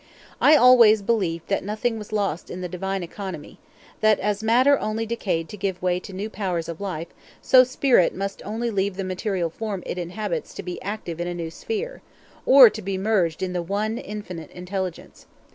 I always believed that nothing was lost in the divine economy; that as matter only decayed to give way to new powers of life, so spirit must only leave the material form it inhabits to be active in a new sphere, or to be merged in the One Infinite Intelligence.